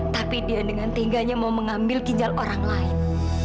tapi dia dengan tiganya mau mengambil ginjal orang lain